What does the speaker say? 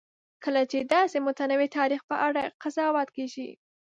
کله چې د داسې متنوع تاریخ په اړه قضاوت کېږي.